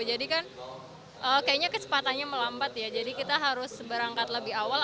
jadi kan kayaknya kesepatannya melambat ya jadi kita harus berangkat lebih awal